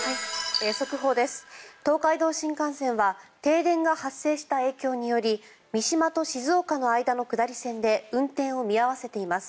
東海道新幹線は停電が発生した影響により三島と静岡の間の下り線で運転を見合わせています。